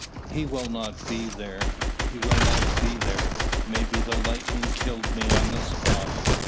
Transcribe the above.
"He will not be there, he will not be there! May the lightning kill me on the spot!"